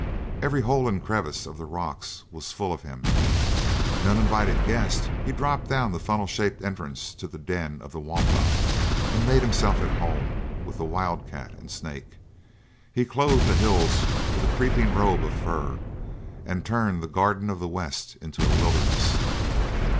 Every hole and crevice of the rocks was full of him. An uninvited guest, he dropped down the funnel shaped entrance to the den of the wombat, and made himself at home with the wild cat and snake. He clothed the hills with a creeping robe of fur, and turned the Garden of the West into a wilderness.